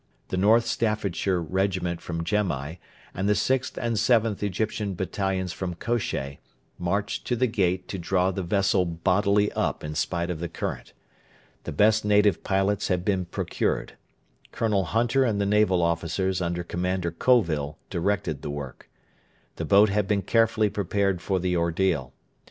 The North Staffordshire Regiment from Gemai, and the 6th and 7th Egyptian Battalions from Kosheh, marched to the 'Gate' to draw the vessel bodily up in spite of the current. The best native pilots had been procured. Colonel Hunter and the naval officers under Commander Colville directed the work. The boat had been carefully prepared for the ordeal.